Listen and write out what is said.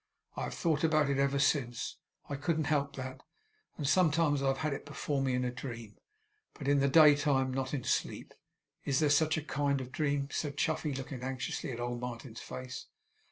I have thought about it ever since; I couldn't help that; and sometimes I have had it all before me in a dream; but in the day time, not in sleep. Is there such a kind of dream?' said Chuffey, looking anxiously in old Martin's face.